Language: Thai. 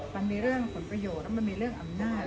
มันมีเรื่องผลประโยชน์แล้วมันมีเรื่องอำนาจ